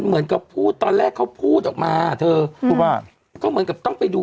เหมือนกับพูดตอนแรกเขาพูดออกมาเธอพูดว่าก็เหมือนกับต้องไปดู